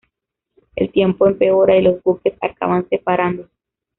El tiempo empeora y los buques acaban separándose.